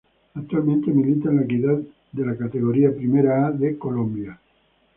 Actualmente milita en La Equidad de la Categoría Primera A de Colombia.